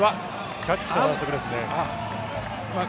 キャッチの反則ですね。